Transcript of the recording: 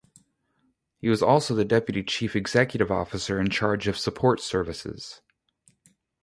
He was also the Deputy Chief Executive Officer in charge of support services.